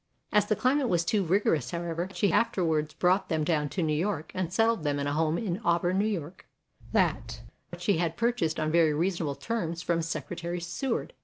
As the climate was too rigorous, however, she afterwards brought them down to New York, and settled them in a home in Auburn, N. Y., that she had purchased on very reasonable terms from Secretary Seward.